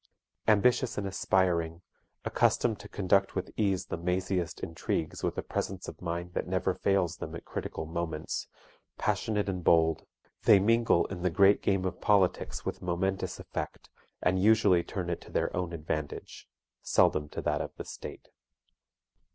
Ambitious and aspiring, accustomed to conduct with ease the maziest intrigues with a presence of mind that never fails them at critical moments, passionate and bold, they mingle in the great game of politics with momentous effect, and usually turn it to their own advantage, seldom to that of the state."